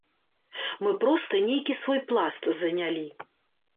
Мы проста нейкі свой пласт занялі.